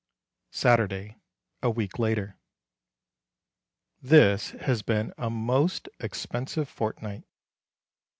Saturday, a week later. This has been a most expensive fortnight.